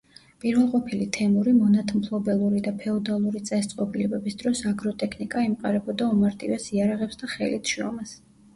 პირველყოფილი თემური, მონათმფლობელური და ფეოდალური წესწყობილების დროს აგროტექნიკა ემყარებოდა უმარტივეს იარაღებს და ხელით შრომას.